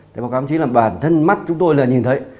báo cáo ông chí là bản thân mắt chúng tôi là nhìn thấy